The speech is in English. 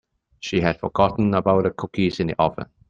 She had forgotten about the cookies in the oven.